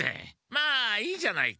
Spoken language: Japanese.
まあいいじゃないか。